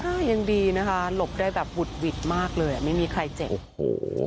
ค่ายังดีนะคะหลบได้แบบหุดหวิดมากเลยไม่มีใครเจ็บ